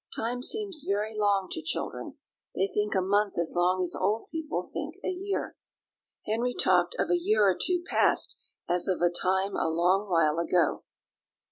Time seems very long to children; they think a month as long as old people think a year. Henry talked of a year or two past as of a time a long while ago.